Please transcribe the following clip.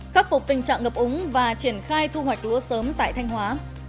khắc phục tình trạng ngập úng và triển khai thu hoạch lúa sớm tại thanh hóa